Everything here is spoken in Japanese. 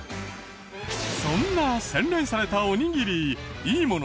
そんな洗練されたおにぎりいいもの